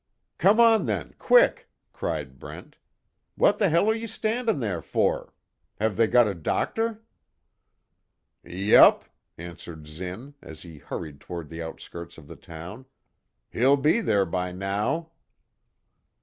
"Come on then quick!" cried Brent. "What the hell are you standin' there for? Have they got a doctor?" "Yup," answered Zinn, as he hurried toward the outskirts of the town, "He'll be there by now."